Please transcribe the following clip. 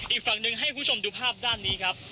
อีกฝั่งหนึ่งให้คุณผู้ชมดูภาพด้านนี้ครับ